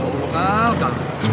lo lokal kak